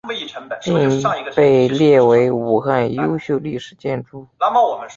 并被列为武汉优秀历史建筑。